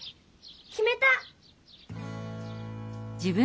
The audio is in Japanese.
きめた！